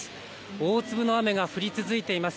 大粒の雨が降り続いています。